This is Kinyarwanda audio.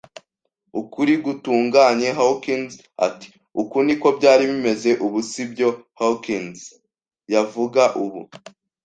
ukuri gutunganye. Hawkins ati: "Uku niko byari bimeze ubu, si byo, Hawkins?" yavuga, ubu